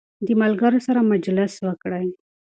د ملګرو سره مجلس وکړئ.